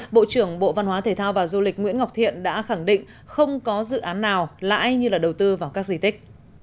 bộ trưởng bộ văn hóa thể thao và du lịch nguyễn ngọc thiện đã khẳng định không có dự án nào lãi như là đầu tư vào các di tích